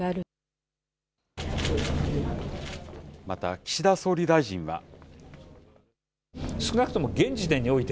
また岸田総理大臣は。